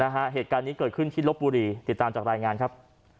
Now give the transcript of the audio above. เหตุการณ์นี้เกิดขึ้นที่ลบบุรีติดตามจากรายงานครับ